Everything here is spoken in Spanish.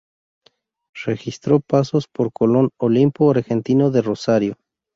Registró pasos por Colón, Olimpo, Argentino de Rosario.